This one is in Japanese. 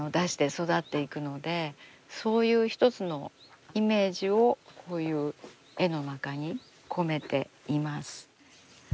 そういう一つのイメージをこういう絵の中に込めています。